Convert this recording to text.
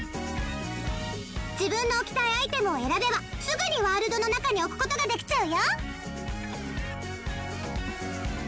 自分の置きたいアイテムを選べばすぐにワールドの中に置く事ができちゃうよ！